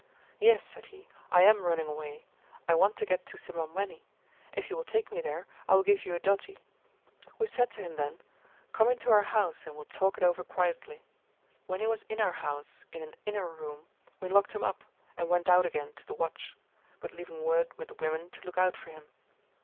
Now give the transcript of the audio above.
'Yes,' said he, 'I am running away; I want to get to Simbamwenni. If you will take me there, I will give you a doti.' We said to him then, 'Come into our house, and we will talk it over quietly. When he was in our house in an inner room, we locked him up, and went out again to the watch; but leaving word with the women to look out for him.